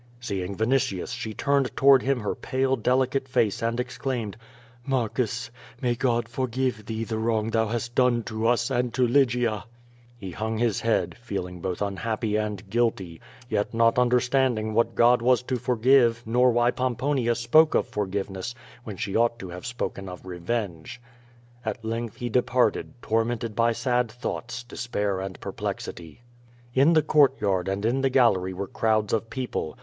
Seeing Vinitius she turned toward him her pale, delicate face and exclaimed: "Marcus, may God forgive thee the wrong thou' hast done to us and to Lygia/' 98 QVO VADIS. He hung his head, feeling both unhappy and guilty, yet not understanding what God was to forgive nor why Pom ponia spoke of forgiveness when she ought to have spoken of revenge. At length he departed, tormented by sad thoughts, despair and perplexity. In the courtyard and in the gallery were crowds of people.